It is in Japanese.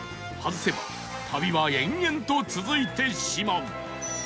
外せば旅は延々と続いてしまう